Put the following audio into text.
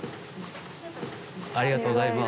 ありがとうございます。